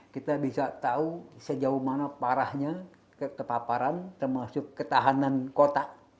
kita bisa tahu sejauh mana parahnya kepaparan termasuk ketahanan kota